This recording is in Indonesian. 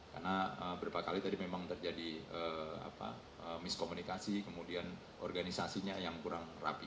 karena beberapa kali tadi memang terjadi miskomunikasi kemudian organisasinya yang kurang rapi